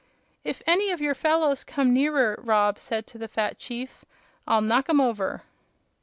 "If any of your fellows come nearer," Rob said to the fat chief, "I'll knock 'em over."